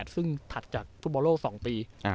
ซึ่งถัดจากฟุตบอลโลก๒ปี